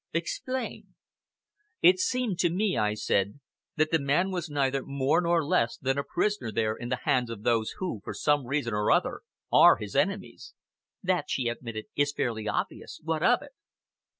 "Explain!" "It seemed to me," I said, "that the man was neither more nor less than a prisoner there in the hands of those who, for some reason or other, are his enemies." "That," she admitted, "is fairly obvious; what of it?"